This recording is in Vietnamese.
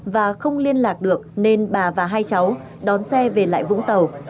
và không liên lạc được nên bà và hai cháu đón xe về lại vũng tàu